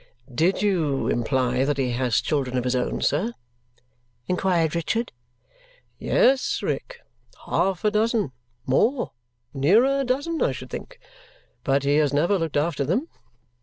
"Did you imply that he has children of his own, sir?" inquired Richard. "Yes, Rick! Half a dozen. More! Nearer a dozen, I should think. But he has never looked after them.